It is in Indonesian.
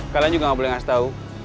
kalian juga gak boleh ngasih tahu